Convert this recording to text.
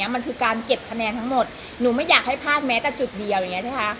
มันคือการเก็บคะแนนทั้งหมดหนูไม่อยากให้พลาดแม้แต่จุดเดียวอย่างนี้ใช่ไหมคะ